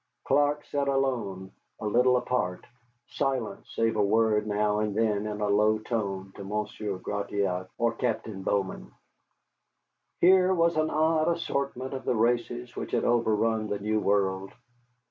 Clark sat alone, a little apart, silent save a word now and then in a low tone to Monsieur Gratiot or Captain Bowman. Here was an odd assortment of the races which had overrun the new world.